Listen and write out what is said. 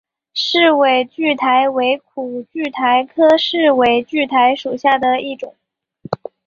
世纬苣苔为苦苣苔科世纬苣苔属下的一个种。